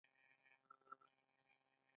آیا او ډیر حقایق نه بیانوي؟